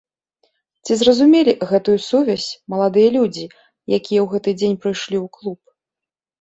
Ці зразумелі гэтую сувязь маладыя людзі, якія ў гэты дзень прыйшлі ў клуб?